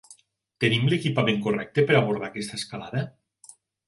Tenim l'equipament correcte per abordar aquesta escalada?